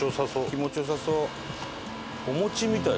気持ち良さそう。